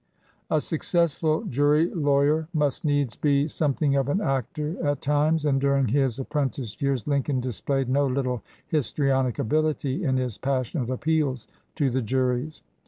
A successful jury lawyer must needs be some thing of an actor at times, and during his ap prentice years Lincoln displayed no little histrionic ability in his passionate appeals to the juries.